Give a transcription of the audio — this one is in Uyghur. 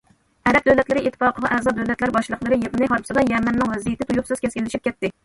ئەرەب دۆلەتلىرى ئىتتىپاقىغا ئەزا دۆلەتلەر باشلىقلىرى يىغىنى ھارپىسىدا يەمەننىڭ ۋەزىيىتى تۇيۇقسىز كەسكىنلىشىپ كەتتى.